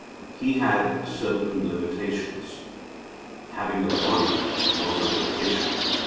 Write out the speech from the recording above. He had certain limitations. Having a body was a limitation.